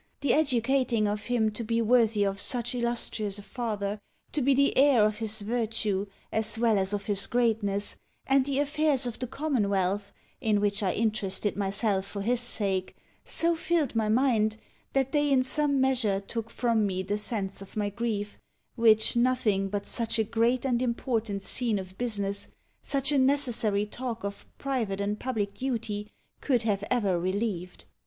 The educating of him to be worthy of so illustrious a father, to be the heir of his virtue as well as of his greatness, and the affairs of the commonwealth, in which I interested myself for his sake, so filled my mind, that they in some measure took from me the sense of my grief, which nothing but such a great and important scene of business, such a necessary talk of private and public duty, could have ever relieved.